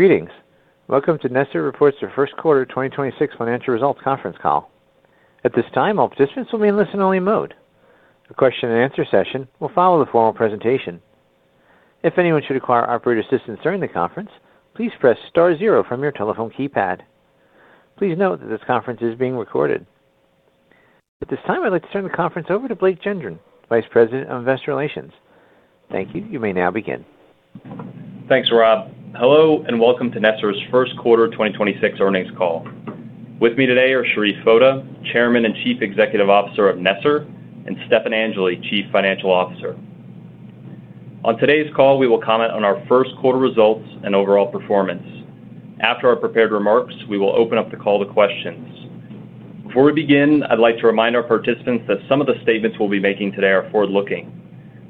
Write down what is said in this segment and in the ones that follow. Greetings. Welcome to NESR reports their first quarter 2026 financial results conference call. At this time, all participants are on listen-only mode. A question-and-answer session will follow the formal presentation. If anyone should require operator assistance during the conference, please press star zero from your telephone keypad. Please note that this conference is being recorded. At this time, I'd like to turn the conference over to Blake Gendron, Vice President of Investor Relations. Thank you. You may now begin. Thanks, Rob. Hello, and welcome to NESR's first quarter 2026 earnings call. With me today are Sherif Foda, Chairman and Chief Executive Officer of NESR, and Stefan Angeli, Chief Financial Officer. On today's call, we will comment on our first quarter results and overall performance. After our prepared remarks, we will open up the call to questions. Before we begin, I'd like to remind our participants that some of the statements we'll be making today are forward looking.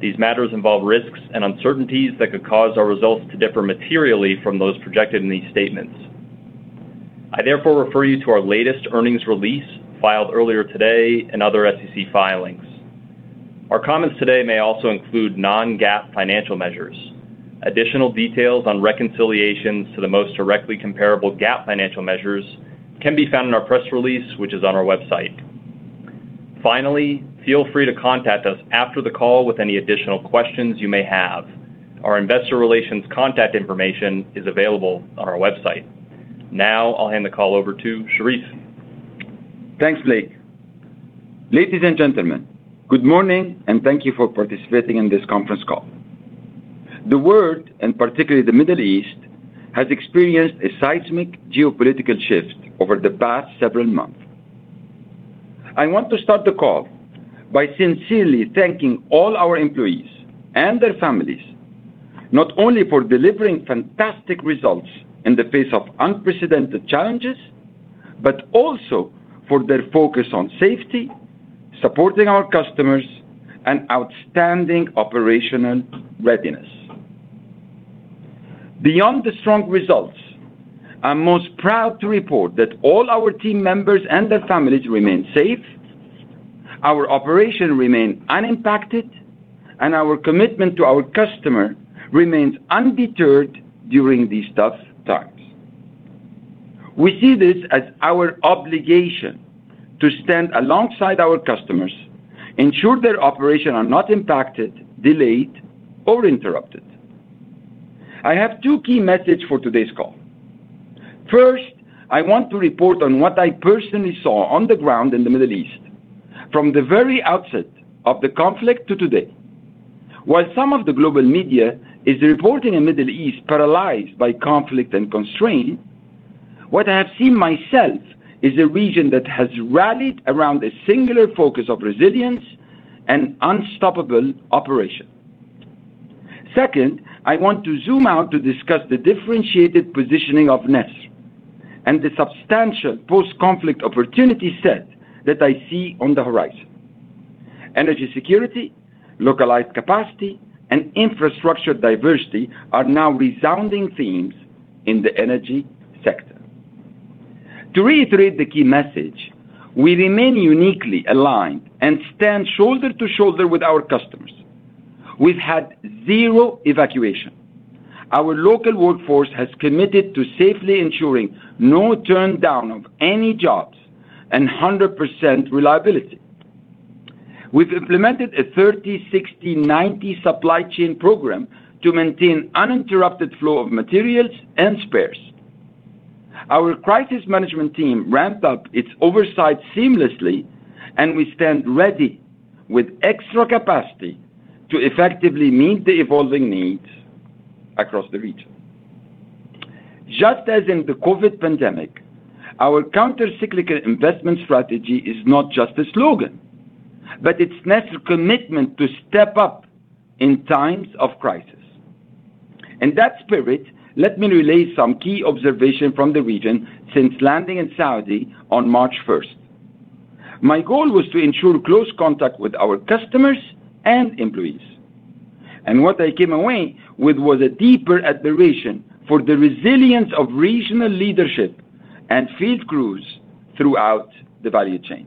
These matters involve risks and uncertainties that could cause our results to differ materially from those projected in these statements. I therefore refer you to our latest earnings release filed earlier today and other SEC filings. Our comments today may also include non-GAAP financial measures. Additional details on reconciliations to the most directly comparable GAAP financial measures can be found in our press release, which is on our website. Finally, feel free to contact us after the call with any additional questions you may have. Our investor relations contact information is available on our website. Now, I'll hand the call over to Sherif. Thanks, Blake. Ladies and gentlemen, good morning, and thank you for participating in this conference call. The world, and particularly the Middle East, has experienced a seismic geopolitical shift over the past several months. I want to start the call by sincerely thanking all our employees and their families, not only for delivering fantastic results in the face of unprecedented challenges, but also for their focus on safety, supporting our customers, and outstanding operational readiness. Beyond the strong results, I'm most proud to report that all our team members and their families remain safe, our operations remain unimpacted, and our commitment to our customer remains undeterred during these tough times. We see this as our obligation to stand alongside our customers, ensure their operations are not impacted, delayed, or interrupted. I have two key messages for today's call. First, I want to report on what I personally saw on the ground in the Middle East from the very outset of the conflict to today. While some of the global media is reporting a Middle East paralyzed by conflict and constraint, what I have seen myself is a region that has rallied around a singular focus of resilience and unstoppable operation. Second, I want to zoom out to discuss the differentiated positioning of NESR and the substantial post-conflict opportunity set that I see on the horizon. Energy security, localized capacity, and infrastructure diversity are now resounding themes in the energy sector. To reiterate the key message, we remain uniquely aligned and stand shoulder to shoulder with our customers. We've had zero evacuation. Our local workforce has committed to safely ensuring no turn down of any jobs and 100% reliability. We've implemented a 30-60-90 supply chain program to maintain uninterrupted flow of materials and spares. Our crisis management team ramped up its oversight seamlessly, and we stand ready with extra capacity to effectively meet the evolving needs across the region. Just as in the COVID pandemic, our counter-cyclical investment strategy is not just a slogan, but it's NESR's commitment to step up in times of crisis. In that spirit, let me relay some key observation from the region since landing in Saudi on March 1st. My goal was to ensure close contact with our customers and employees. What I came away with was a deeper admiration for the resilience of regional leadership and field crews throughout the value chain.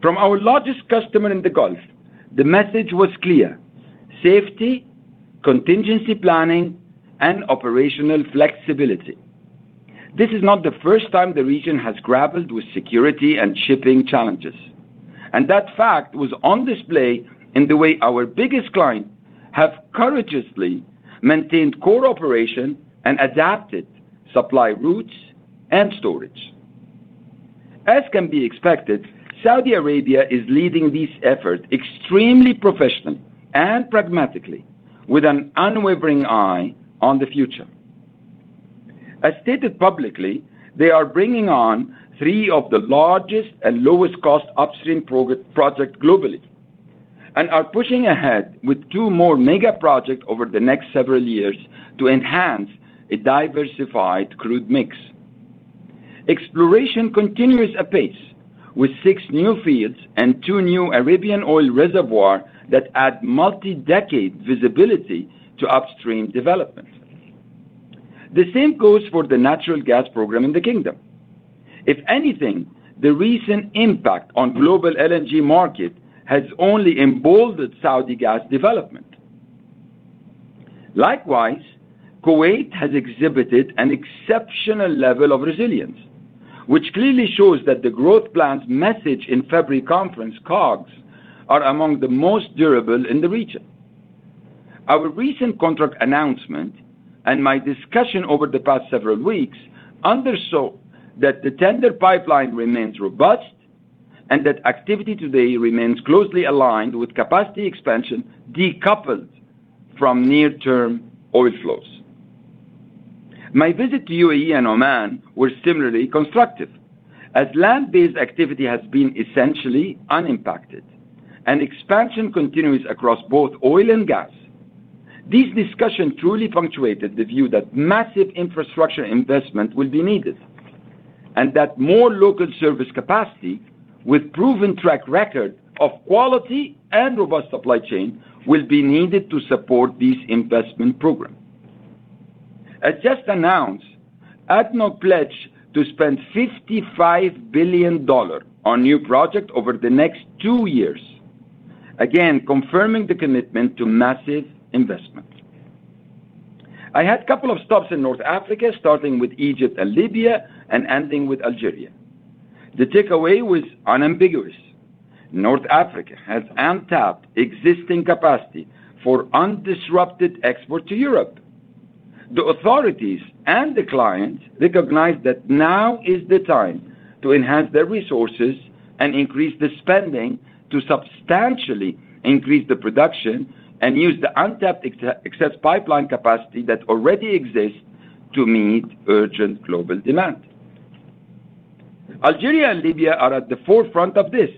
From our largest customer in the Gulf, the message was clear: safety, contingency planning, and operational flexibility. This is not the first time the region has grappled with security and shipping challenges. That fact was on display in the way our biggest client have courageously maintained core operation and adapted supply routes and storage. As can be expected, Saudi Arabia is leading this effort extremely professionally and pragmatically with an unwavering eye on the future. As stated publicly, they are bringing on three of the largest and lowest-cost upstream project globally and are pushing ahead with two more mega projects over the next several years to enhance a diversified crude mix. Exploration continues apace with six new fields and two new Arabian oil reservoir that add multi-decade visibility to upstream development. The same goes for the natural gas program in the Kingdom. If anything, the recent impact on global LNG market has only emboldened Saudi gas development. Likewise, Kuwait has exhibited an exceptional level of resilience, which clearly shows that the growth plans messaged in February conference, KOGS, are among the most durable in the region. Our recent contract announcement, and my discussion over the past several weeks, undersaw that the tender pipeline remains robust and that activity today remains closely aligned with capacity expansion decoupled from near-term oil flows. My visit to UAE and Oman were similarly constructive as land-based activity has been essentially unimpacted, and expansion continues across both oil and gas. This discussion truly punctuated the view that massive infrastructure investment will be needed, and that more local service capacity with proven track record of quality and robust supply chain will be needed to support this investment program. As just announced, ADNOC pledged to spend $55 billion on new projects over the next two years. Again, confirming the commitment to massive investment. I had couple of stops in North Africa, starting with Egypt and Libya, and ending with Algeria. The takeaway was unambiguous. North Africa has untapped existing capacity for undisrupted export to Europe. The authorities and the clients recognize that now is the time to enhance their resources and increase the spending to substantially increase the production and use the untapped excess pipeline capacity that already exists to meet urgent global demand. Algeria and Libya are at the forefront of this,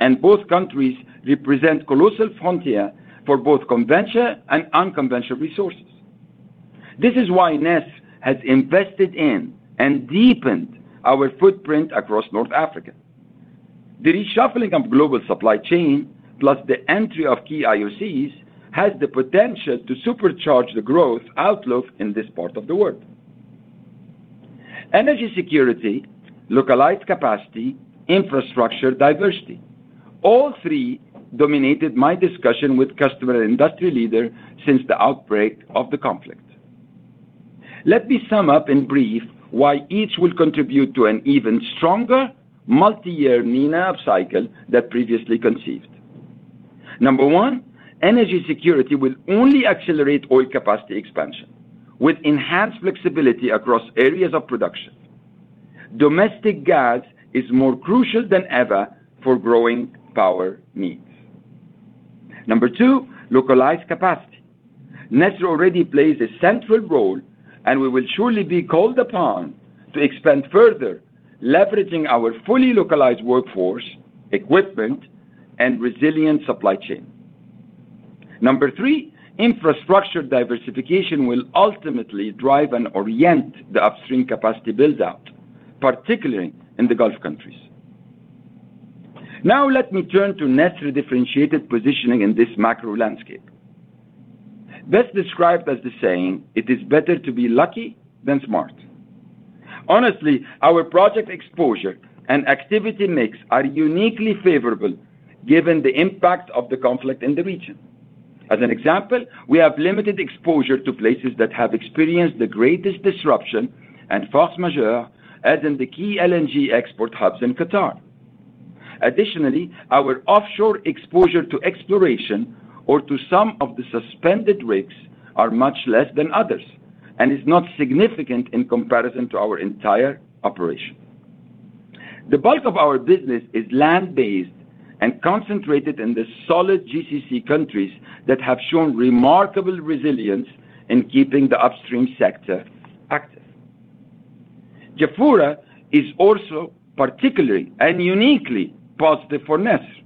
and both countries represent colossal frontier for both conventional and unconventional resources. This is why NESR has invested in and deepened our footprint across North Africa. The reshuffling of global supply chain, plus the entry of key IOCs, has the potential to supercharge the growth outlook in this part of the world. Energy security, localized capacity, infrastructure diversity. All three dominated my discussion with customer and industry leader since the outbreak of the conflict. Let me sum up in brief why each will contribute to an even stronger multi-year MENA upcycle than previously conceived. Number one, energy security will only accelerate oil capacity expansion with enhanced flexibility across areas of production. Domestic gas is more crucial than ever for growing power needs. Number two, localized capacity. NESR already plays a central role, and we will surely be called upon to expand further, leveraging our fully localized workforce, equipment, and resilient supply chain. Number three, infrastructure diversification will ultimately drive and orient the upstream capacity build-out, particularly in the Gulf countries. Now let me turn to NESR differentiated positioning in this macro landscape. Best described as the saying, it is better to be lucky than smart. Honestly, our project exposure and activity mix are uniquely favorable given the impact of the conflict in the region. As an example, we have limited exposure to places that have experienced the greatest disruption and force majeure, as in the key LNG export hubs in Qatar. Additionally, our offshore exposure to exploration or to some of the suspended rigs are much less than others, and is not significant in comparison to our entire operation. The bulk of our business is land-based and concentrated in the solid GCC countries that have shown remarkable resilience in keeping the upstream sector active. Jafurah is also particularly and uniquely positive for NESR,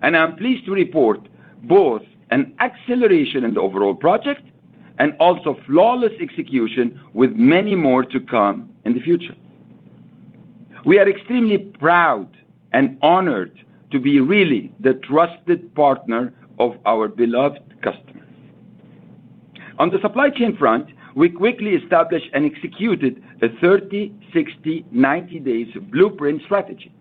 and I am pleased to report both an acceleration in the overall project and also flawless execution with many more to come in the future. We are extremely proud and honored to be really the trusted partner of our beloved customers. On the supply chain front, we quickly established and executed a 30-60-90 days blueprint strategy,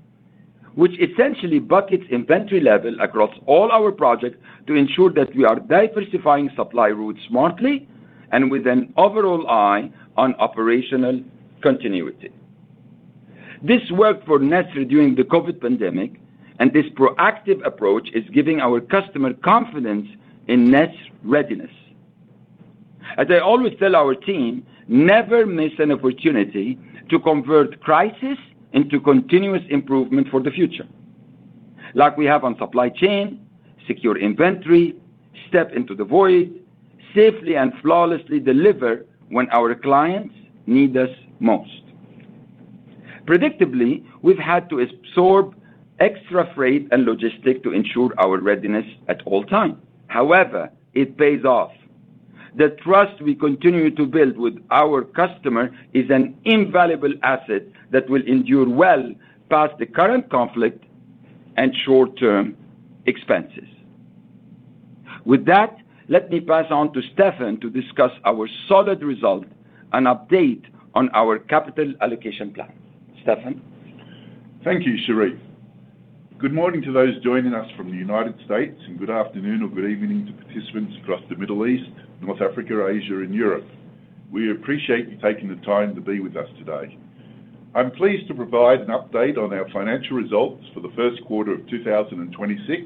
which essentially buckets inventory level across all our projects to ensure that we are diversifying supply routes smartly and with an overall eye on operational continuity. This worked for NESR during the COVID pandemic, and this proactive approach is giving our customer confidence in NESR readiness. As I always tell our team, never miss an opportunity to convert crisis into continuous improvement for the future. Like we have on supply chain, secure inventory, step into the void, safely and flawlessly deliver when our clients need us most. Predictably, we've had to absorb extra freight and logistics to ensure our readiness at all time. However, it pays off. The trust we continue to build with our customer is an invaluable asset that will endure well past the current conflict and short-term expenses. With that, let me pass on to Stefan to discuss our solid result and update on our capital allocation plan. Stefan? Thank you, Sherif. Good morning to those joining us from the United States, and good afternoon or good evening to participants across the Middle East, North Africa, Asia, and Europe. We appreciate you taking the time to be with us today. I'm pleased to provide an update on our financial results for the first quarter of 2026,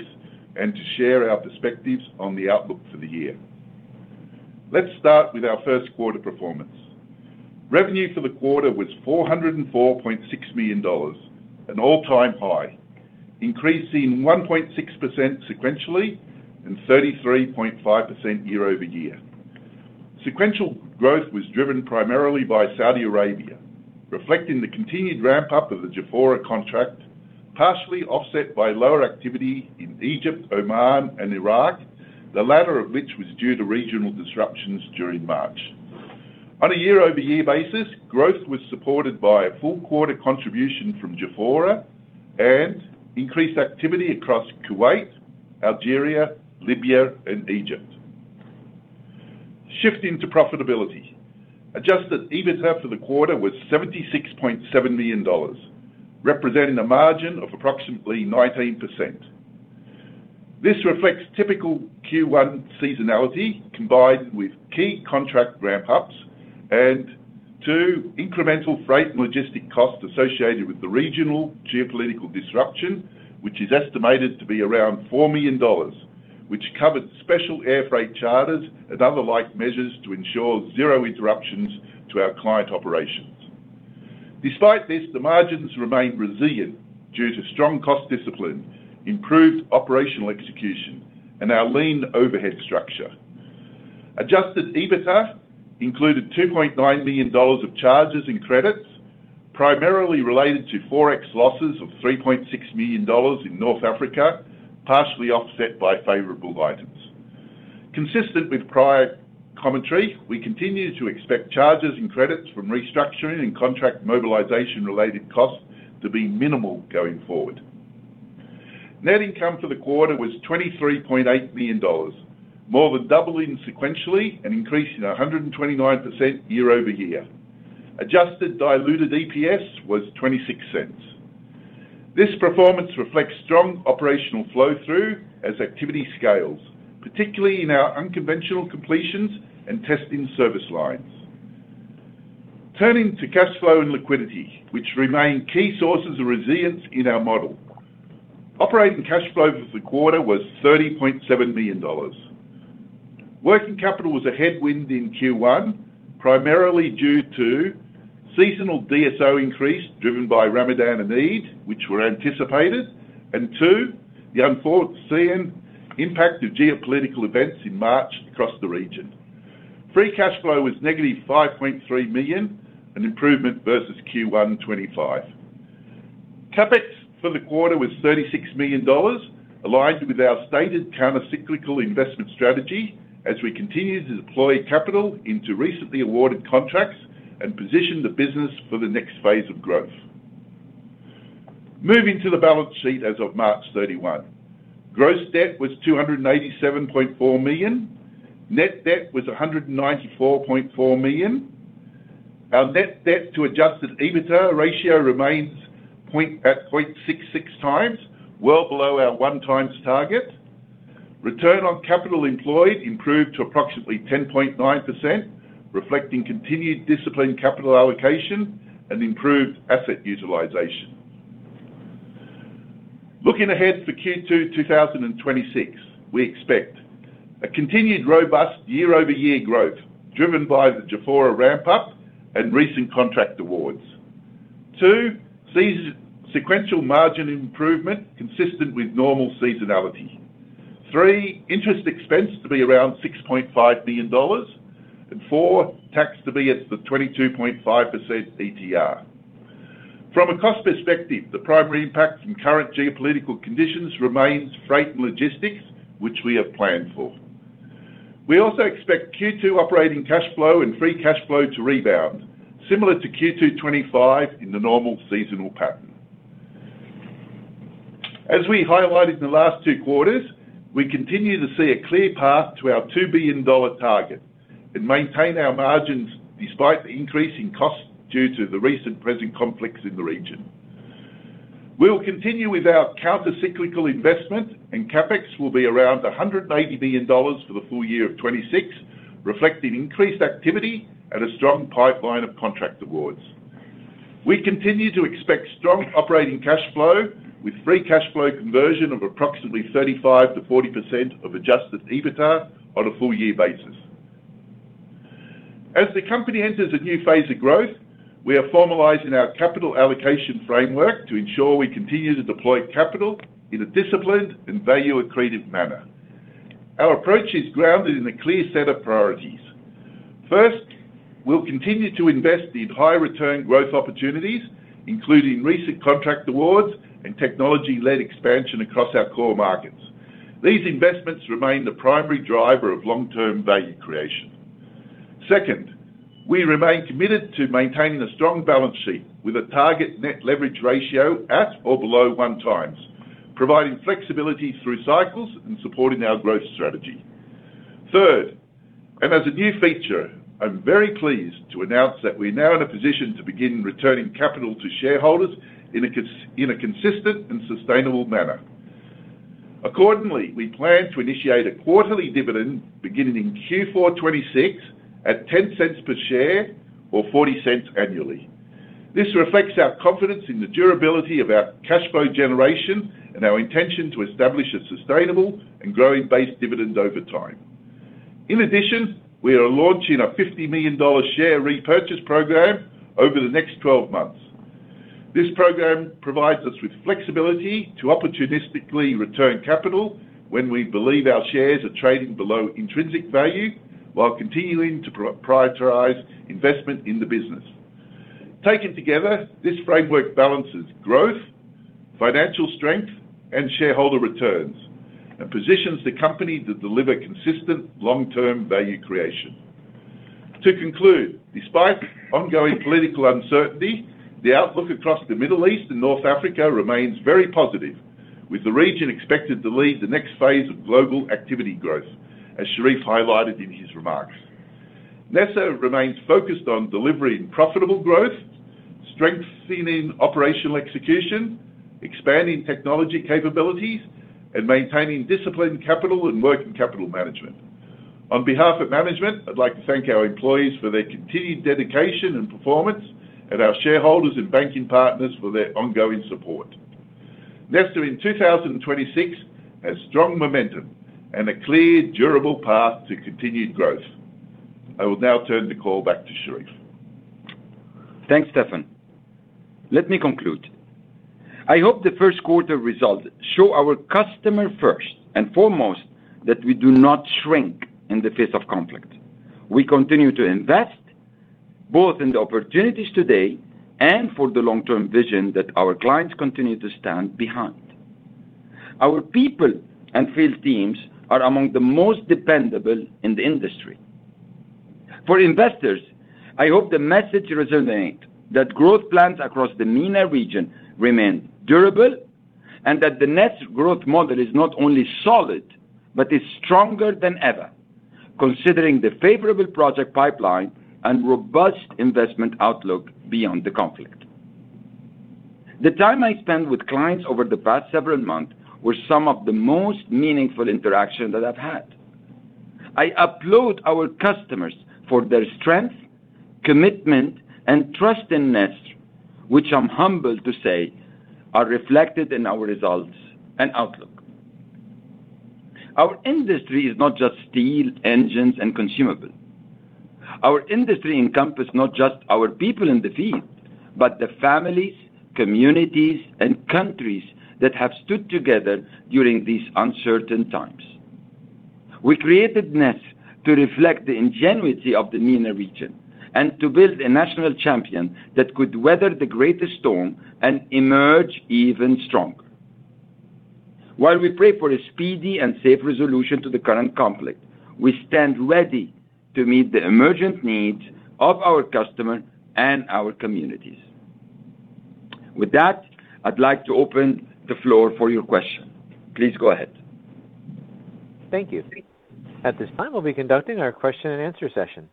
and to share our perspectives on the outlook for the year. Let's start with our first quarter performance. Revenue for the quarter was $404.6 million, an all-time high, increasing 1.6% sequentially and 33.5% year-over-year. Sequential growth was driven primarily by Saudi Arabia, reflecting the continued ramp-up of the Jafurah contract, partially offset by lower activity in Egypt, Oman and Iraq, the latter of which was due to regional disruptions during March. On a year-over-year basis, growth was supported by a full-quarter contribution from Jafurah and increased activity across Kuwait, Algeria, Libya and Egypt. Shifting to profitability. Adjusted EBITDA for the quarter was $76.7 million, representing a margin of approximately 19%. This reflects typical Q1 seasonality combined with key contract ramp-ups and two incremental freight and logistic costs associated with the regional geopolitical disruption, which is estimated to be around $4 million, which covered special air freight charters and other like measures to ensure zero interruptions to our client operations. Despite this, the margins remained resilient due to strong cost discipline, improved operational execution, and our lean overhead structure. Adjusted EBITDA included $2.9 million of charges and credits, primarily related to forex losses of $3.6 million in North Africa, partially offset by favorable items. Consistent with prior commentary, we continue to expect charges and credits from restructuring and contract mobilization related costs to be minimal going forward. Net income for the quarter was $23.8 million, more than doubling sequentially and increasing 129% year-over-year. Adjusted diluted EPS was $0.26. This performance reflects strong operational flow-through as activity scales, particularly in our unconventional completions and testing service lines. Turning to cash flow and liquidity, which remain key sources of resilience in our model. Operating cash flow for the quarter was $30.7 million. Working capital was a headwind in Q1, primarily due to seasonal DSO increase driven by Ramadan and Eid, which were anticipated, and two, the unforeseen impact of geopolitical events in March across the region. Free cash flow was $-5.3 million, an improvement versus Q1 2025. CapEx for the quarter was $36 million, aligned with our stated counter-cyclical investment strategy as we continue to deploy capital into recently awarded contracts and position the business for the next phase of growth. Moving to the balance sheet as of March 31. Gross debt was $287.4 million. Net debt was $194.4 million. Our net debt-to-adjusted EBITDA ratio remains at 0.66x, well below our 1x target. Return on capital employed improved to approximately 10.9%, reflecting continued disciplined capital allocation and improved asset utilization. Looking ahead for Q2 2026, we expect a continued robust year-over-year growth driven by the Jafurah ramp-up and recent contract awards. Two, sequential margin improvement consistent with normal seasonality. Three, interest expense to be around $6.5 million. Four, tax to be at the 22.5% ETR. From a cost perspective, the primary impact from current geopolitical conditions remains freight and logistics, which we have planned for. We also expect Q2 operating cash flow and free cash flow to rebound, similar to Q2 2025 in the normal seasonal pattern. As we highlighted in the last two quarters, we continue to see a clear path to our $2 billion target and maintain our margins despite the increase in costs due to the recent pressing conflicts in the region. We will continue with our counter-cyclical investment and CapEx will be around $180 million for the full year of 2026, reflecting increased activity and a strong pipeline of contract awards. We continue to expect strong operating cash flow with free cash flow conversion of approximately 35%-40% of adjusted EBITDA on a full-year basis. As the company enters a new phase of growth, we are formalizing our capital allocation framework to ensure we continue to deploy capital in a disciplined and value-accretive manner. Our approach is grounded in a clear set of priorities. First, we'll continue to invest in high-return growth opportunities, including recent contract awards and technology-led expansion across our core markets. These investments remain the primary driver of long-term value creation. Second, we remain committed to maintaining a strong balance sheet with a target net leverage ratio at or below 1x, providing flexibility through cycles and supporting our growth strategy. Third, and as a new feature, I'm very pleased to announce that we're now in a position to begin returning capital to shareholders in a consistent and sustainable manner. Accordingly, we plan to initiate a quarterly dividend beginning in Q4 2026 at $0.10 per share or $0.40 annually. This reflects our confidence in the durability of our cash flow generation and our intention to establish a sustainable and growing base dividend over time. In addition, we are launching a $50 million share repurchase program over the next 12 months. This program provides us with flexibility to opportunistically return capital when we believe our shares are trading below intrinsic value while continuing to prioritize investment in the business. Taken together, this framework balances growth, financial strength, and shareholder returns and positions the company to deliver consistent long-term value creation. To conclude, despite ongoing political uncertainty, the outlook across the Middle East and North Africa remains very positive, with the region expected to lead the next phase of global activity growth, as Sherif highlighted in his remarks. NESR remains focused on delivering profitable growth, strengthening operational execution, expanding technology capabilities, and maintaining disciplined capital and working capital management. On behalf of management, I'd like to thank our employees for their continued dedication and performance, and our shareholders and banking partners for their ongoing support. NESR in 2026 has strong momentum and a clear, durable path to continued growth. I will now turn the call back to Sherif. Thanks, Stefan. Let me conclude. I hope the first quarter results show our customer first and foremost that we do not shrink in the face of conflict. We continue to invest both in the opportunities today and for the long-term vision that our clients continue to stand behind. Our people and field teams are among the most dependable in the industry. For investors, I hope the message resonates that growth plans across the MENA region remain durable and that the NESR growth model is not only solid but is stronger than ever, considering the favorable project pipeline and robust investment outlook beyond the conflict. The time I spent with clients over the past several months were some of the most meaningful interactions that I've had. I applaud our customers for their strength, commitment, and trust in NESR, which I'm humbled to say are reflected in our results and outlook. Our industry is not just steel, engines, and consumables. Our industry encompass not just our people in the field, but the families, communities, and countries that have stood together during these uncertain times. We created NESR to reflect the ingenuity of the MENA region and to build a national champion that could weather the greatest storm and emerge even stronger. While we pray for a speedy and safe resolution to the current conflict, we stand ready to meet the emergent needs of our customers and our communities. With that, I'd like to open the floor for your questions. Please go ahead. Thank you. At this time we will be conducting our question-and-answer session.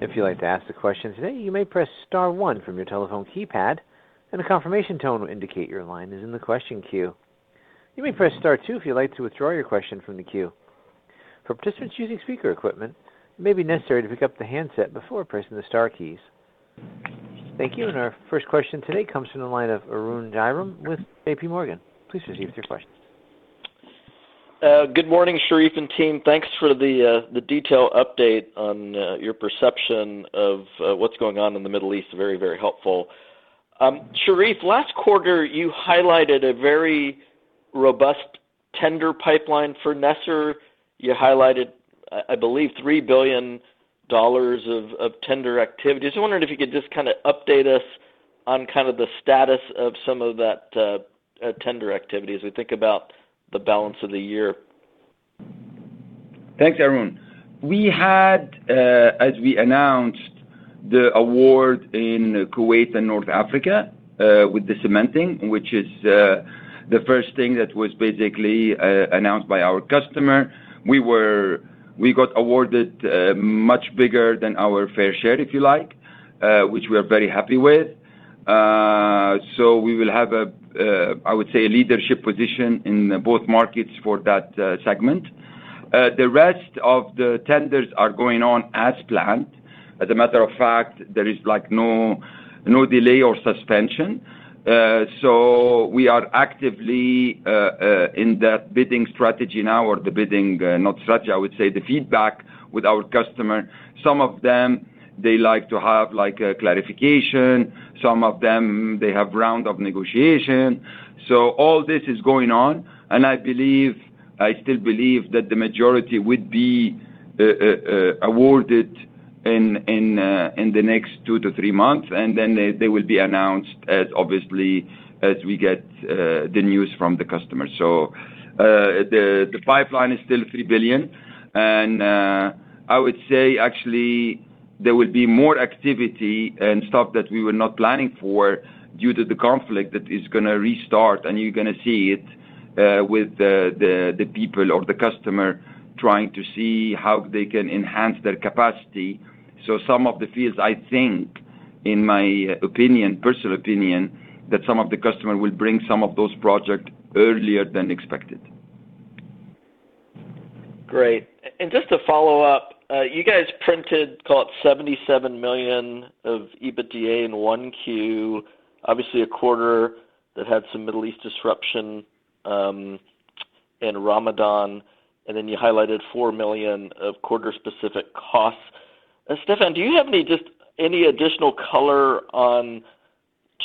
If you would like to ask a question today you may press star one from your telephone keypad, and a confirmation tone will indicate your line is in the question queue. You may press star two if you'd like to withdraw your question from the queue. For participants using speaker equipment, it may be necessary to pick up the handset before pressing the star keys. Our first question today comes from the line of Arun Jayaram with JPMorgan. Please proceed with your question. Good morning, Sherif and team. Thanks for the detailed update on your perception of what's going on in the Middle East. Very, very helpful. Sherif, last quarter, you highlighted a very robust tender pipeline for NESR. You highlighted, I believe, $3 billion of tender activity. I'm wondering if you could just kinda update us on kind of the status of some of that tender activity as we think about the balance of the year. Thanks, Arun. We had, as we announced the award in Kuwait and North Africa, with the cementing, which is the first thing that was basically announced by our customer. We got awarded, much bigger than our fair share, if you like, which we are very happy with. We will have a, I would say, a leadership position in both markets for that segment. The rest of the tenders are going on as planned. As a matter of fact, there is, like, no delay or suspension. We are actively in that bidding strategy now, or the bidding, not strategy, I would say the feedback with our customer. Some of them, they like to have, like, a clarification. Some of them, they have round of negotiation. All this is going on, and I believe, I still believe that the majority would be awarded in the next two to three months, and then they will be announced as obviously as we get the news from the customer. The pipeline is still $3 billion. I would say actually, there will be more activity and stuff that we were not planning for due to the conflict that is gonna restart. You're gonna see it with the people or the customer trying to see how they can enhance their capacity. Some of the fields, I think, in my opinion, personal opinion, that some of the customer will bring some of those project earlier than expected. Great. And just to follow up, you guys printed, call it $77 million of EBITDA in 1Q. Obviously a quarter that had some Middle East disruption, and Ramadan, and then you highlighted $4 million of quarter-specific costs. Stefan, do you have any additional color on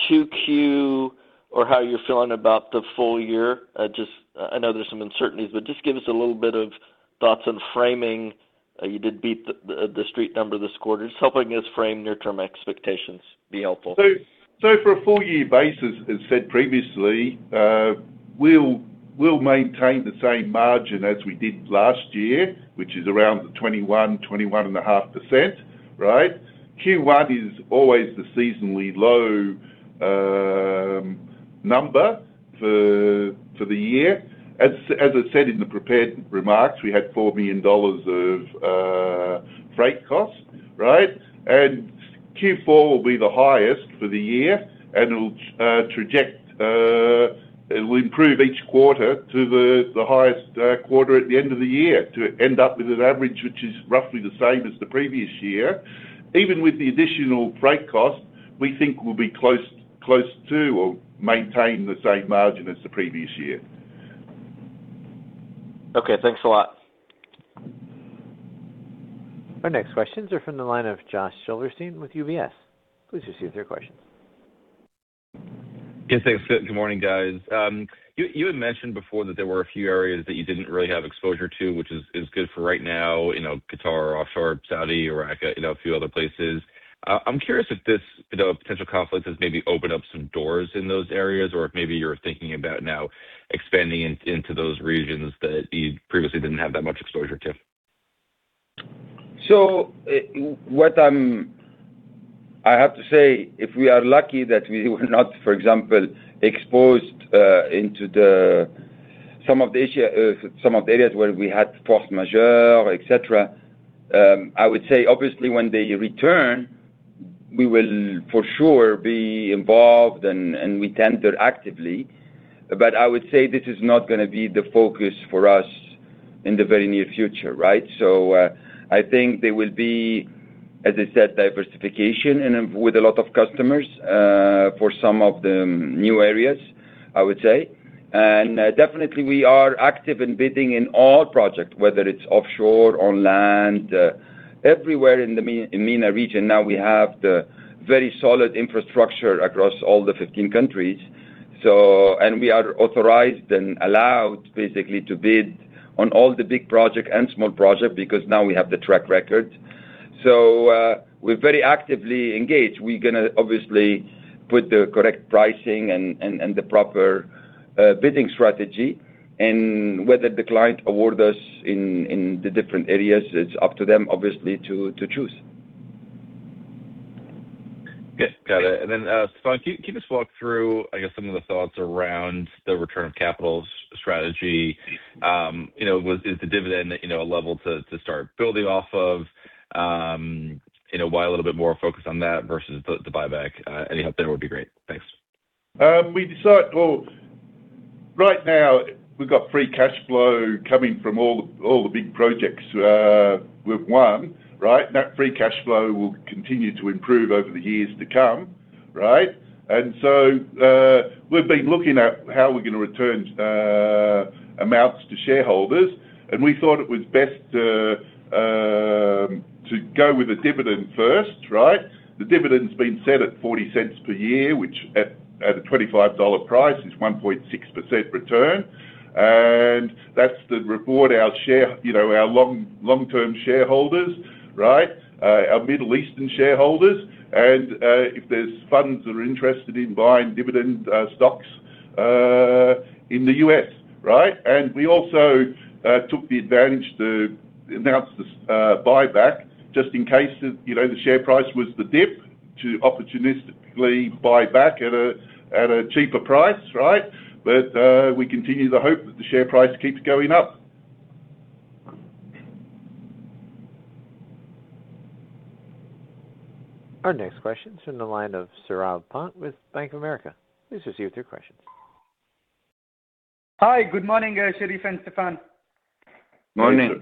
2Q or how you're feeling about the full year? Just, I know there's some uncertainties, but just give us a little bit of thoughts on framing. You did beat the Street number this quarter. Just helping us frame near-term expectations would be helpful. For a full-year basis, as said previously, we'll maintain the same margin as we did last year, which is around the 21.5%. Q1 is always the seasonally low number for the year. As I said in the prepared remarks, we had $4 million of freight costs. Q4 will be the highest for the year, and it will improve each quarter to the highest quarter at the end of the year to end up with an average which is roughly the same as the previous year. Even with the additional freight cost, we think we'll be close to or maintain the same margin as the previous year. Okay. Thanks a lot. Our next questions are from the line of Josh Silverstein with UBS. Please proceed with your questions. Yes, thanks. Good morning, guys. You had mentioned before that there were a few areas that you didn't really have exposure to, which is good for right now, you know, Qatar offshore, Saudi, Iraq, you know, a few other places. I'm curious if this, you know, potential conflict has maybe opened up some doors in those areas, or if maybe you're thinking about now expanding into those regions that you previously didn't have that much exposure to. I have to say if we are lucky that we were not, for example, exposed into the, some of the areas where we had force majeure, et cetera, I would say obviously when they return we will for sure be involved and we tender actively. I would say this is not gonna be the focus for us in the very near future, right. I think there will be, as I said, diversification and with a lot of customers for some of the new areas, I would say. Definitely we are active in bidding in all projects, whether it's offshore, on land, everywhere in the MENA region now we have the very solid infrastructure across all the 15 countries. We are authorized and allowed basically to bid on all the big project and small project because now we have the track record. We're very actively engaged. We're gonna obviously put the correct pricing and the proper bidding strategy. Whether the client award us in the different areas, it's up to them obviously to choose. Yes. Got it. Then, Stefan, can you just walk through, I guess, some of the thoughts around the return of capital strategy? You know, is the dividend, you know, a level to start building off of? You know, why a little bit more focused on that versus the buyback? Any help there would be great. Thanks. Right now we've got free cash flow coming from all the big projects we've won, right? That free cash flow will continue to improve over the years to come, right? We've been looking at how we're gonna return amounts to shareholders, and we thought it was best to go with a dividend first, right? The dividend's been set at $0.40 per year, which at a $25 price is 1.6% return. That's to reward our share, you know, our long-term shareholders, right? Our Middle Eastern shareholders and if there's funds that are interested in buying dividend stocks in the U.S., right? We also took the advantage to announce this buyback just in case the, you know, the share price was to dip to opportunistically buy back at a cheaper price, right. We continue to hope that the share price keeps going up. Our next question's from the line of Saurabh Pant with Bank of America. Please proceed with your questions. Hi. Good morning, Sherif and Stefan. Morning.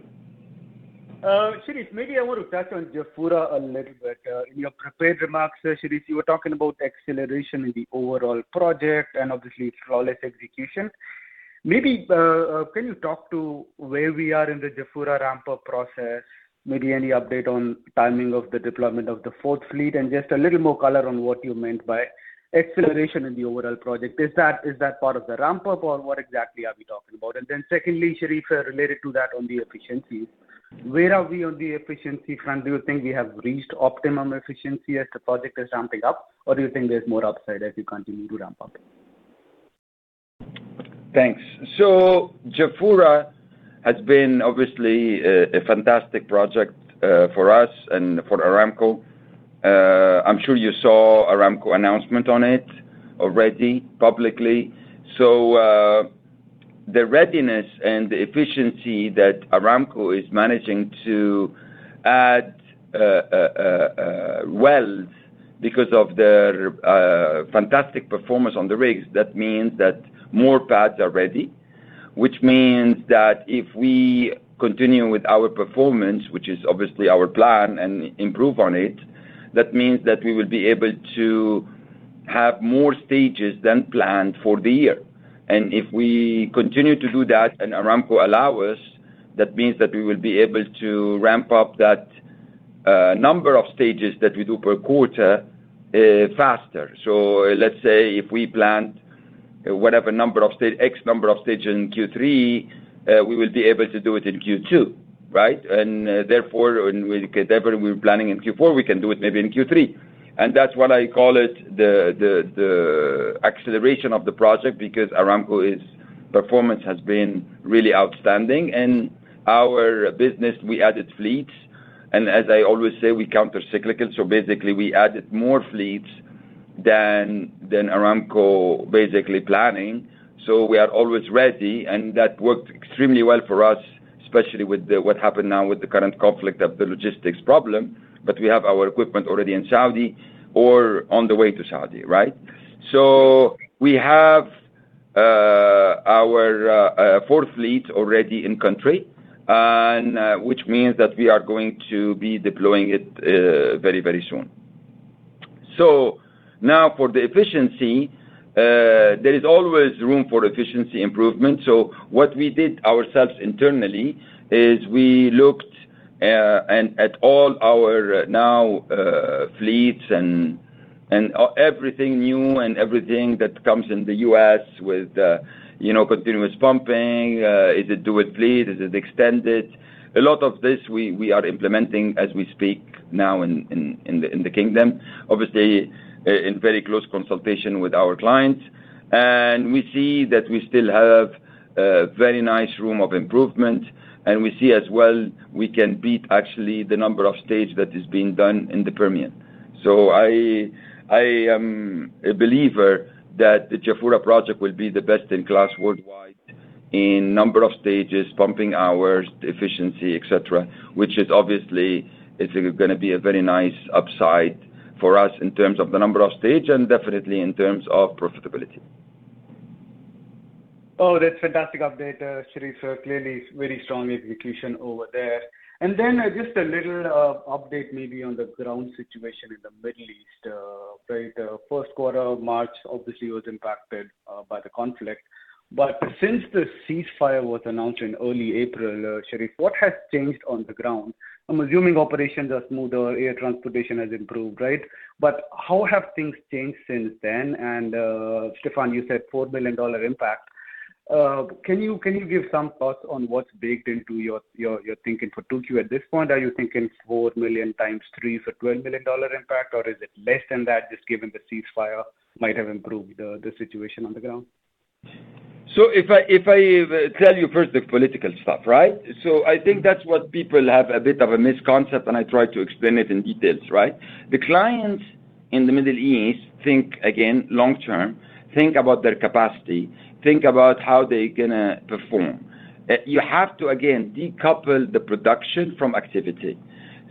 Sherif, maybe I want to touch on Jafurah a little bit. In your prepared remarks, Sherif, you were talking about acceleration in the overall project and obviously flawless execution. Maybe, can you talk to where we are in the Jafurah ramp-up process? Maybe any update on timing of the deployment of the fourth fleet and just a little more color on what you meant by acceleration in the overall project. Is that part of the ramp-up, or what exactly are we talking about? Secondly, Sherif, related to that on the efficiency, where are we on the efficiency front? Do you think we have reached optimum efficiency as the project is ramping up, or do you think there's more upside as we continue to ramp up? Thanks. Jafurah has been obviously a fantastic project for us and for Aramco. I'm sure you saw Aramco announcement on it already publicly. The readiness and the efficiency that Aramco is managing to add wells because of their fantastic performance on the rigs, that means that more pads are ready, which means that if we continue with our performance, which is obviously our plan, and improve on it, that means that we will be able to have more stages than planned for the year. If we continue to do that and Aramco allow us, that means that we will be able to ramp up that number of stages that we do per quarter faster. Let's say if we planned whatever X number of stages in Q3, we will be able to do it in Q2, right? Therefore, whatever we were planning in Q4, we can do it maybe in Q3. That's what I call it the, the acceleration of the project because Aramco's performance has been really outstanding. Our business, we added fleets, as I always say, we counter cyclical, basically we added more fleets than Aramco basically planning, we are always ready, that worked extremely well for us, especially with the, what happened now with the current conflict of the logistics problem. We have our equipment already in Saudi or on the way to Saudi, right? We have our fourth fleet already in country, which means that we are going to be deploying it very, very soon. For the efficiency, there is always room for efficiency improvement. What we did ourselves internally is we looked and at all our now fleets and everything new and everything that comes in the U.S. with, you know, continuous pumping, is it dual fleet? Is it extended? A lot of this we are implementing as we speak now in the Kingdom, obviously in very close consultation with our clients. We see that we still have a very nice room of improvement, we see as well we can beat actually the number of stage that is being done in the Permian. I am a believer that the Jafurah project will be the best in class worldwide in number of stages, pumping hours, efficiency, et cetera, which is obviously, it's gonna be a very nice upside for us in terms of the number of stage and definitely in terms of profitability. Oh, that's fantastic update, Sherif. Then just a little update maybe on the ground situation in the Middle East. First quarter of March obviously was impacted by the conflict. Since the ceasefire was announced in early April, Sherif, what has changed on the ground? I'm assuming operations are smoother, air transportation has improved, right? How have things changed since then? Stefan, you said $4 million impact. Can you give some thoughts on what's baked into your thinking for 2Q at this point? Are you thinking $4 million times three for $12 million impact, or is it less than that, just given the ceasefire might have improved the situation on the ground? If I, if I tell you first the political stuff, right? I think that's what people have a bit of a misconception, and I try to explain it in details, right? The clients in the Middle East think, again, long-term, think about their capacity, think about how they're gonna perform. You have to, again, decouple the production from activity.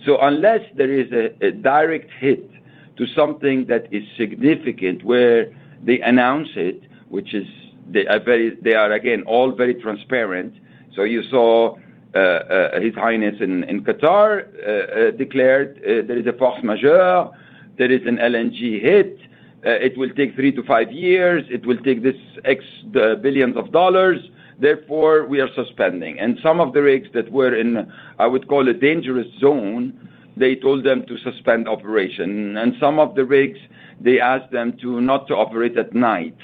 Unless there is a direct hit to something that is significant, where they announce it, which is they are, again, all very transparent. You saw His Highness in Qatar declared there is a force majeure, there is an LNG hit, it will take three to five years, it will take this X billions of dollars, therefore, we are suspending. Some of the rigs that were in, I would call a dangerous zone, they told them to suspend operation. Some of the rigs, they asked them not to operate at night.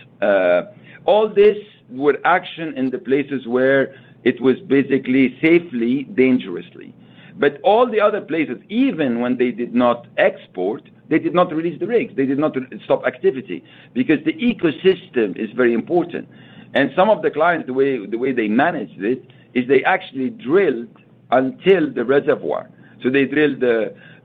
All this were action in the places where it was basically safely dangerously. All the other places, even when they did not export, they did not release the rigs. They did not stop activity because the ecosystem is very important. Some of the clients, the way they managed it, is they actually drilled until the reservoir. They drilled,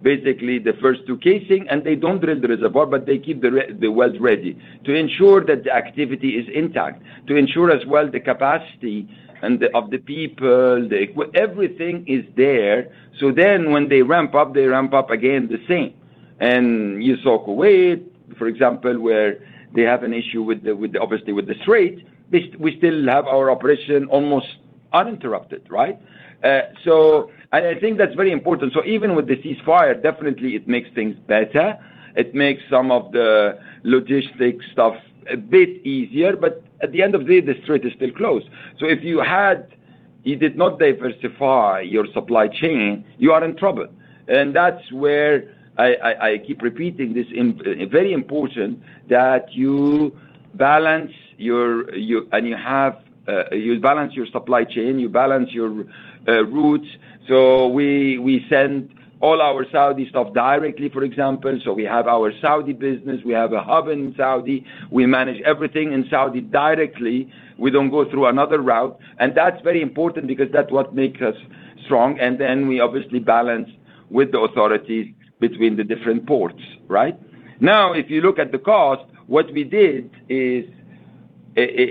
basically the first two casings, they don't drill the reservoir, they keep the wells ready to ensure that the activity is intact, to ensure as well the capacity and the, of the people, everything is there, when they ramp up, they ramp up again the same. You saw Kuwait, for example, where they have an issue with the, with the, obviously, with the strait, they, we still have our operation almost uninterrupted, right? I think that's very important. Even with the ceasefire, definitely it makes things better. It makes some of the logistics stuff a bit easier. At the end of the day, the strait is still closed. If you did not diversify your supply chain, you are in trouble. That's where I keep repeating this, very important that you balance your supply chain, you balance your routes. We send all our Saudi stuff directly, for example. We have our Saudi business, we have a hub in Saudi. We manage everything in Saudi directly. We don't go through another route. That's very important because that's what make us strong. We obviously balance with the authorities between the different ports, right? If you look at the cost, what we did is,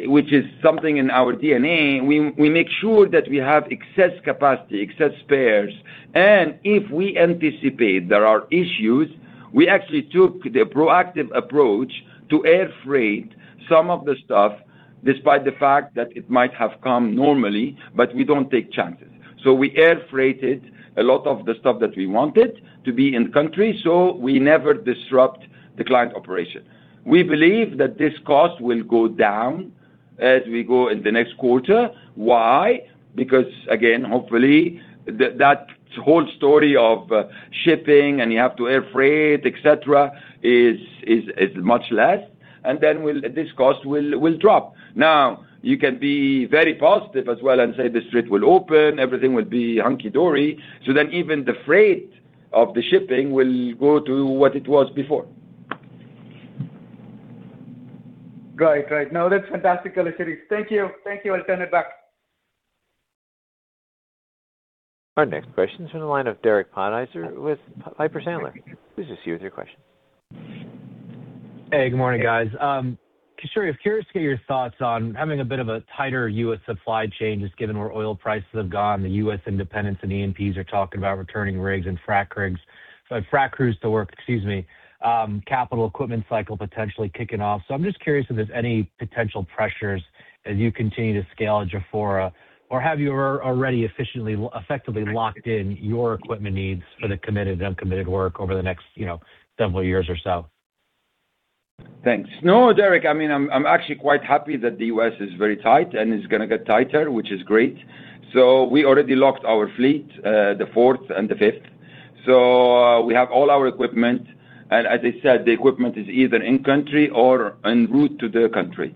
which is something in our DNA, we make sure that we have excess capacity, excess spares. If we anticipate there are issues, we actually took the proactive approach to air freight some of the stuff, despite the fact that it might have come normally. We don't take chances. We air freighted a lot of the stuff that we wanted to be in country. We never disrupt the client operation. We believe that this cost will go down as we go in the next quarter. Why? Because again, hopefully, that whole story of shipping and you have to air freight, et cetera, is much less. This cost will drop. You can be very positive as well and say the strait will open, everything will be hunky dory. Even the freight of the shipping will go to what it was before. Great. Great. No, that's fantastic color, Sherif. Thank you. Thank you. I'll turn it back. Our next question is from the line of Derek Podhaizer with Piper Sandler. Please just use your question. Hey, good morning, guys. Sherif, curious to get your thoughts on having a bit of a tighter U.S. supply chain, just given where oil prices have gone, the U.S. independents and E&P are talking about returning rigs and frac rigs. Frac crews to work, excuse me. Capital equipment cycle potentially kicking off. I'm just curious if there's any potential pressures as you continue to scale Jafurah, or have you effectively locked in your equipment needs for the committed, uncommitted work over the next, you know, several years or so? Thanks. No, Derek, I mean, I'm actually quite happy that the U.S. is very tight, and it's gonna get tighter, which is great. We already locked our fleet, the fourth and the fifth. We have all our equipment. As I said, the equipment is either in country or en route to the country.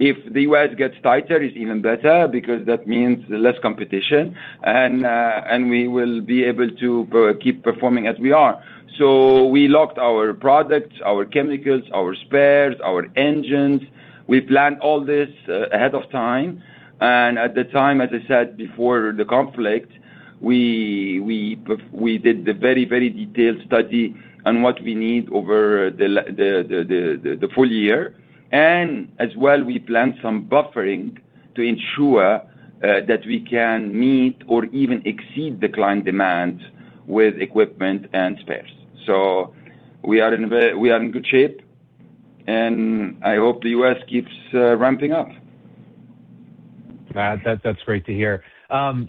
If the U.S. gets tighter, it's even better because that means less competition and we will be able to keep performing as we are. We locked our products, our chemicals, our spares, our engines. We planned all this ahead of time. At the time, as I said, before the conflict, we did the very, very detailed study on what we need over the full year. As well, we planned some buffering to ensure that we can meet or even exceed the client demand with equipment and spares. We are in good shape, and I hope the U.S. keeps ramping up. That's great to hear.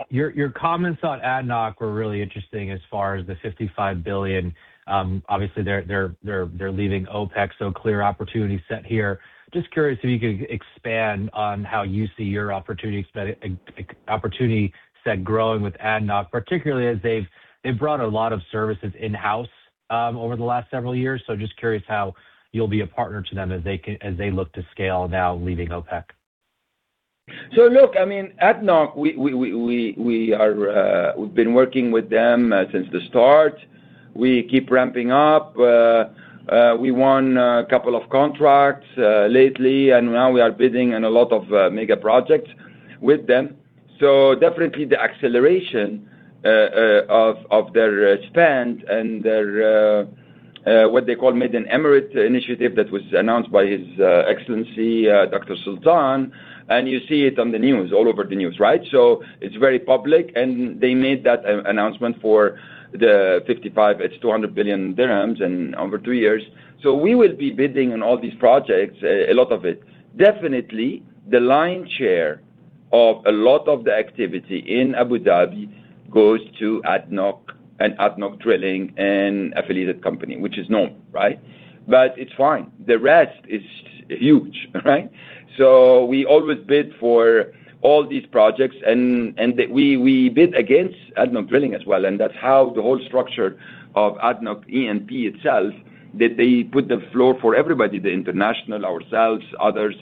Your comments on ADNOC were really interesting as far as the $55 billion. Obviously they're leaving OPEC, so clear opportunity set here. Just curious if you could expand on how you see your opportunity set growing with ADNOC, particularly as they've brought a lot of services in-house over the last several years. Just curious how you'll be a partner to them as they look to scale now leaving OPEC. Look, I mean, ADNOC, we are working with them since the start. We keep ramping up. We won a couple of contracts lately, and now we are bidding on a lot of mega projects with them. Definitely the acceleration of their spend and their what they call Made in the Emirates initiative that was announced by His Excellency Dr. Sultan. You see it on the news, all over the news, right? It's very public, and they made that announcement for the $55 billion. It's 200 billion dirhams and over two years. We will be bidding on all these projects, a lot of it. The lion's share of a lot of the activity in Abu Dhabi goes to ADNOC and ADNOC Drilling and affiliated company, which is known, right? It's fine. The rest is huge, right? We always bid for all these projects and we bid against ADNOC Drilling as well. That's how the whole structure of ADNOC E&P itself, that they put the floor for everybody, the international, ourselves, others.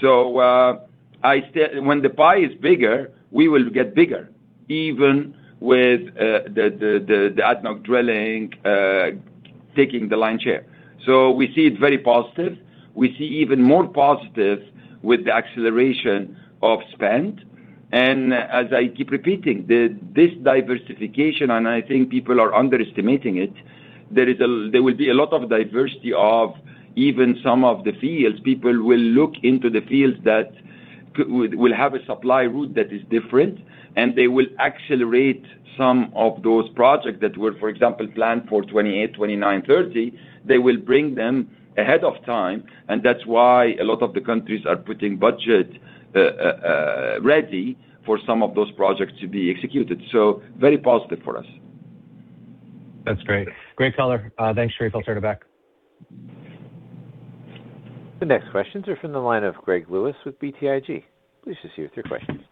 When the pie is bigger, we will get bigger, even with the ADNOC Drilling taking the lion's share. We see it very positive. We see even more positive with the acceleration of spend. As I keep repeating, this diversification, and I think people are underestimating it, there will be a lot of diversity of even some of the fields. People will look into the fields that will have a supply route that is different, and they will accelerate some of those projects that were, for example, planned for 2028, 2029, 2030. They will bring them ahead of time, and that's why a lot of the countries are putting budget ready for some of those projects to be executed. Very positive for us. That's great. Great color. Thanks, Sherif. I'll turn it back. The next questions are from the line of Greg Lewis with BTIG. Please proceed with your questions.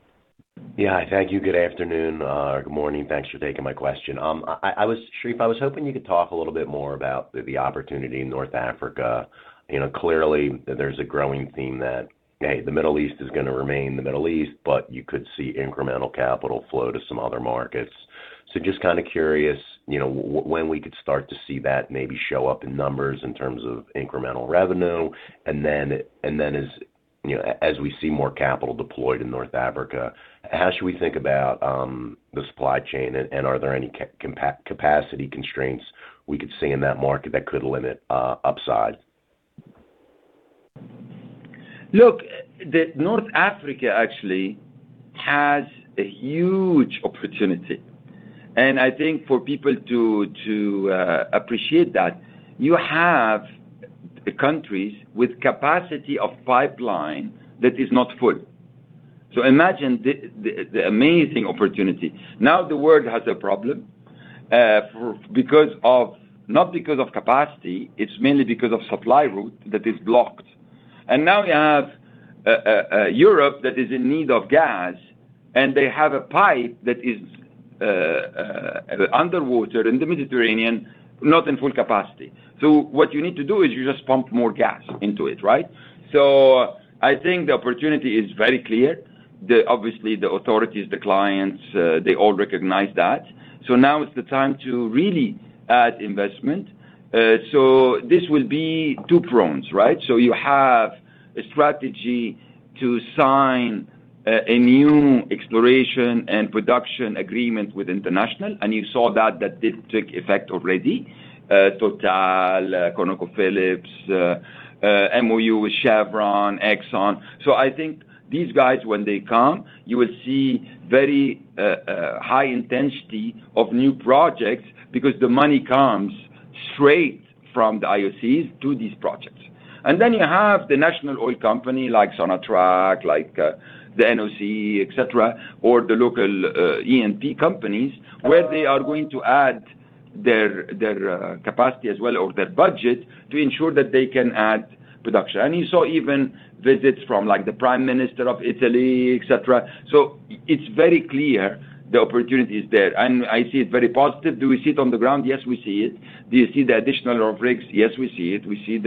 Thank you. Good afternoon, good morning. Thanks for taking my question. Sherif, I was hoping you could talk a little bit more about the opportunity in North Africa. You know, clearly there's a growing theme that, hey, the Middle East is gonna remain the Middle East, but you could see incremental capital flow to some other markets. Just kind of curious, you know, when we could start to see that maybe show up in numbers in terms of incremental revenue. As you know, as we see more capital deployed in North Africa, how should we think about the supply chain? Are there any capacity constraints we could see in that market that could limit upside? Look, the North Africa actually has a huge opportunity, and I think for people to appreciate that, you have countries with capacity of pipeline that is not full. Imagine the amazing opportunity. Now the world has a problem because of not because of capacity, it's mainly because of supply route that is blocked. Now you have Europe that is in need of gas and they have a pipe that is underwater in the Mediterranean, not in full capacity. What you need to do is you just pump more gas into it, right? I think the opportunity is very clear. The obviously, the authorities, the clients, they all recognize that. Now is the time to really add investment. This will be two prongs, right? You have a strategy to sign a new exploration and production agreement with international, and you saw that did take effect already. Total, ConocoPhillips, MOU with Chevron, Exxon. I think these guys when they come, you will see very high intensity of new projects because the money comes straight from the IOCs to these projects. You have the national oil company like SONATRACH, like the NOC, et cetera, or the local E&P companies, where they are going to add their capacity as well, or their budget to ensure that they can add production. You saw even visits from like the Prime Minister of Italy, et cetera. It's very clear the opportunity is there. I see it very positive. Do we see it on the ground? Yes, we see it. Do you see the addition of rigs? Yes, we see it. We see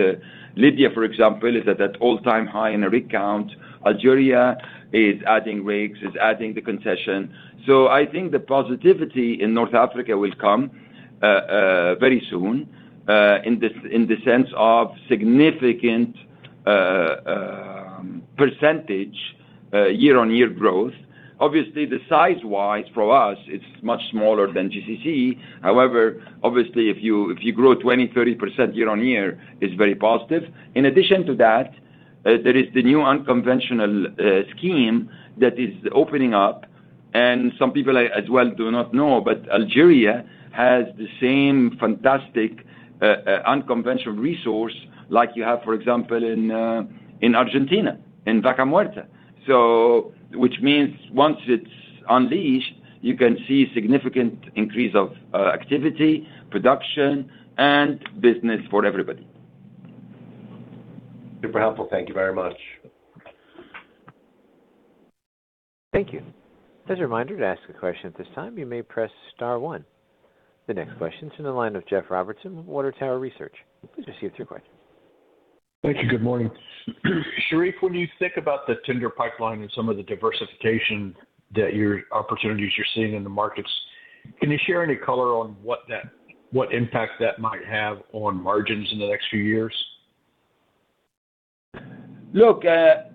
Libya, for example, is at that all-time high in a rig count. Algeria is adding rigs, is adding the concession. I think the positivity in North Africa will come very soon in the sense of significant percentage year-on-year growth. Obviously, the size-wise for us, it's much smaller than GCC. Obviously, if you, if you grow 20%, 30% year-on-year, it's very positive. In addition to that, there is the new unconventional scheme that is opening up, and some people as well do not know, but Algeria has the same fantastic unconventional resource like you have, for example, in Argentina, in Vaca Muerta. Which means once it's unleashed, you can see significant increase of activity, production, and business for everybody. Super helpful. Thank you very much. Thank you. As a reminder, to ask a question at this time, you may press star one. The next question is in the line of Jeff Robertson with Water Tower Research. Please proceed with your question. Thank you. Good morning. Sherif, when you think about the tender pipeline and some of the diversification that opportunities you're seeing in the markets, can you share any color on what impact that might have on margins in the next few years? It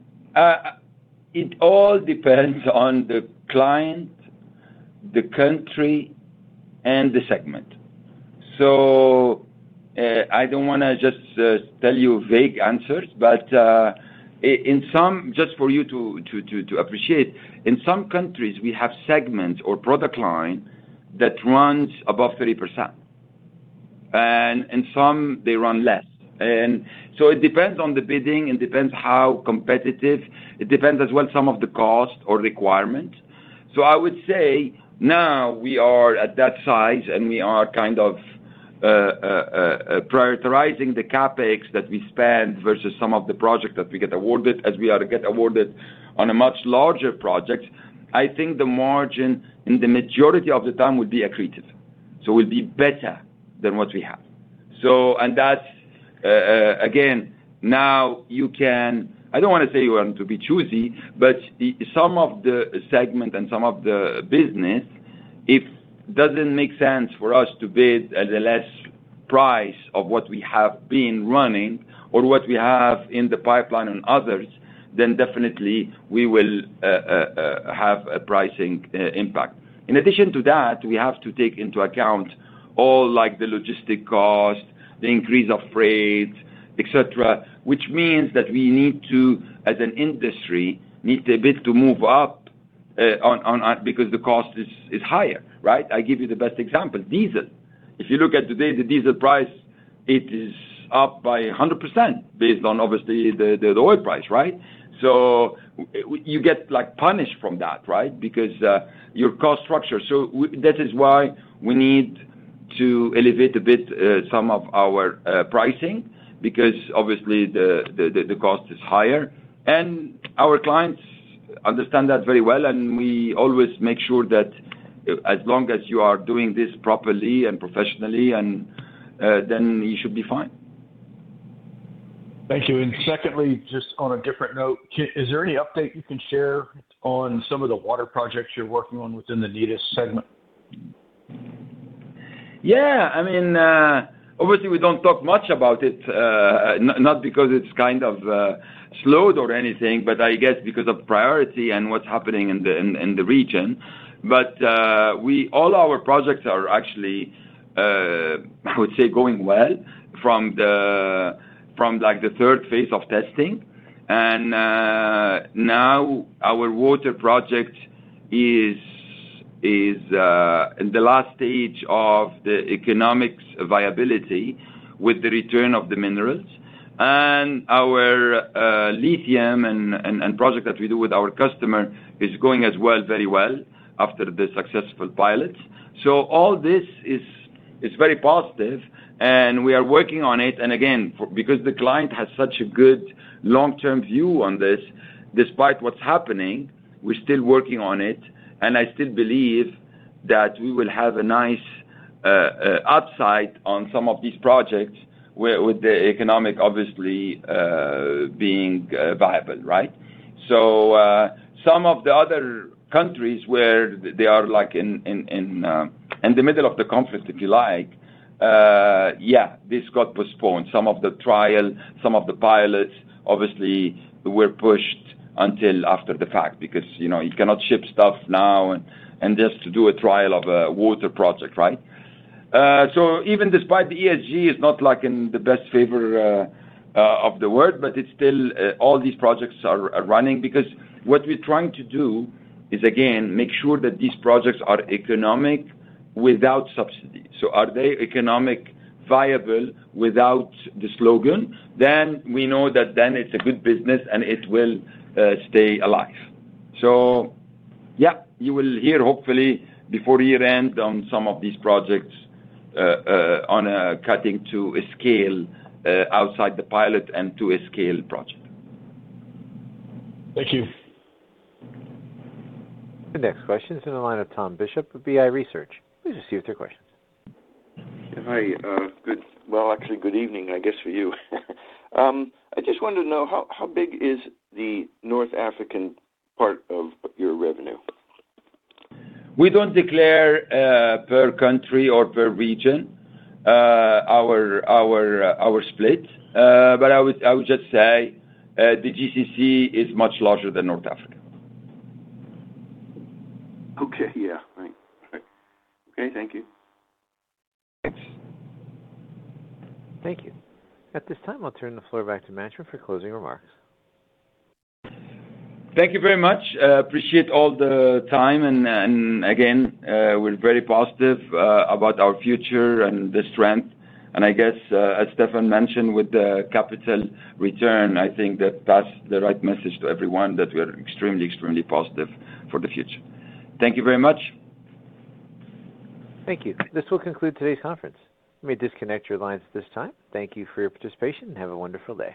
all depends on the client, the country, and the segment. I don't wanna just tell you vague answers. In some just for you to appreciate, in some countries, we have segments or product line that runs above 30%. In some, they run less. It depends on the bidding, it depends how competitive, it depends as well some of the cost or requirement. I would say now we are at that size, and we are kind of prioritizing the CapEx that we spend versus some of the project that we get awarded as we are get awarded on a much larger project. I think the margin in the majority of the time will be accreted. Will be better than what we have. That's, again, now you can I don't want to say you want to be choosy, but some of the segment and some of the business, if doesn't make sense for us to bid at a less price of what we have been running or what we have in the pipeline and others, then definitely we will have a pricing impact. In addition to that, we have to take into account all like the logistic cost, the increase of freight, et cetera, which means that we need to, as an industry, need a bit to move up on because the cost is higher, right? I give you the best example, diesel. If you look at today, the diesel price, it is up by 100% based on obviously the oil price, right? You get like punished from that, right? Because your cost structure. That is why we need to elevate a bit some of our pricing because obviously the cost is higher. Our clients understand that very well, and we always make sure that as long as you are doing this properly and professionally, then you should be fine. Thank you. Secondly, just on a different note, is there any update you can share on some of the water projects you're working on within the NEDA segment? I mean, obviously we don't talk much about it, not because it's kind of slowed or anything, but I guess because of priority and what's happening in the region. All our projects are actually, I would say, going well from like the third phase of testing. Now our water project is in the last stage of the economics viability with the return of the minerals. Our lithium and project that we do with our customer is going as well, very well after the successful pilot. All this is very positive and we are working on it. Again, because the client has such a good long-term view on this, despite what's happening, we're still working on it. I still believe that we will have a nice upside on some of these projects with the economic obviously being viable, right? Some of the other countries where they are like in the middle of the conflict, if you like, yeah, this got postponed. Some of the trial, some of the pilots obviously were pushed until after the fact because, you know, you cannot ship stuff now and just do a trial of a water project, right? Even despite the ESG is not like in the best favor of the world, but it's still all these projects are running because what we're trying to do is again, make sure that these projects are economic without subsidy. Are they economic viable without the slogan? We know that then it's a good business and it will stay alive. Yeah, you will hear hopefully before year end on some of these projects on cutting to a scale outside the pilot and to a scale project. Thank you. The next question is in the line of Tom Bishop of BI Research. Please proceed with your questions. Hi. Well, actually good evening, I guess for you. I just wanted to know how big is the North African part of your revenue? We don't declare, per country or per region, our split. I would just say, the GCC is much larger than North Africa. Okay. Yeah. Right. Okay. Thank you. Thanks. Thank you. At this time, I'll turn the floor back to management for closing remarks. Thank you very much. Appreciate all the time. Again, we're very positive about our future and the strength. I guess, as Stefan mentioned with the capital return, I think that that's the right message to everyone, that we are extremely positive for the future. Thank you very much. Thank you. This will conclude today's conference. You may disconnect your lines at this time. Thank you for your participation, and have a wonderful day.